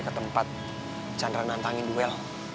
ke tempat chandra nantangin duel